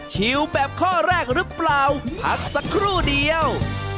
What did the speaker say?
ชิวแบบข้อแรกหรือเปล่าพักสักครู่เดียว